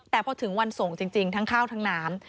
แต่พอถึงวันส่งจริงทั้งข้าวทั้งน้ำ